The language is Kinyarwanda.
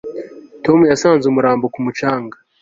Tom yasanze umurambo ku mucanga